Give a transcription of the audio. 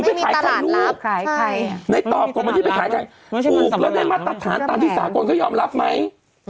ไม่มีตลาดรับในตอบของมันที่ไปขายการปลูกแล้วได้มาตรฐานตามที่สาหกนก็ยอมรับไหม